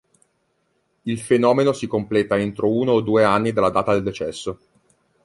Il fenomeno si completa entro uno o due anni dalla data del decesso.